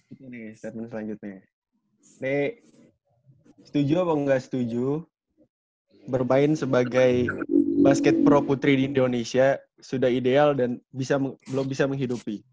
itu nih statement selanjutnya nek setuju atau nggak setuju bermain sebagai basket pro putri di indonesia sudah ideal dan belum bisa menghidupi